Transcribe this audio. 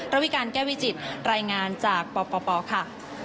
วิการแก้วิจิตรายงานจากปปค่ะ